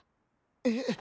えっ！？